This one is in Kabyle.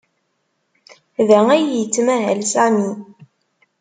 Da ay yettmahal Sami.